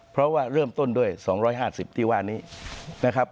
เพราะว่าเริ่มต้นด้วย๒๕๐ที่ว่านี้นะครับ